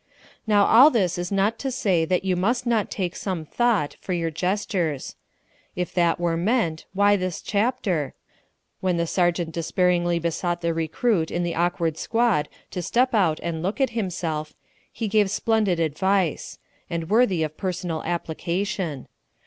Now all this is not to say that you must not take some thought for your gestures. If that were meant, why this chapter? When the sergeant despairingly besought the recruit in the awkward squad to step out and look at himself, he gave splendid advice and worthy of personal application.